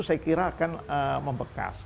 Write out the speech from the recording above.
saya kira akan membekas